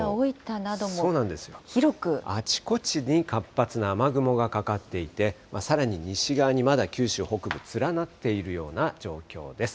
あちこちに活発な雨雲がかかっていて、さらに西側にまだ九州北部、連なっているような状況です。